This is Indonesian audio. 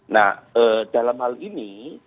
nah dalam hal ini